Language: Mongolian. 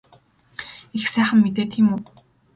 Их сайхан мэдээ тийм үү?